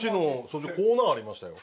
そこにコーナーありましたよ。